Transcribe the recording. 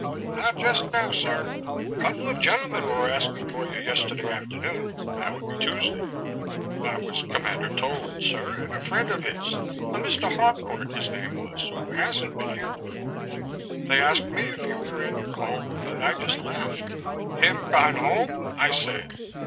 "Not just now, sir. A couple of gentlemen were asking for you yesterday afternoon that would be Tuesday. That was Commander Tolan, sir, and a friend of his, a Mr. Harcourt his name was, who hasn't been here before. They asked me if you were at your home but I just laughed. 'Him gone home?' I said.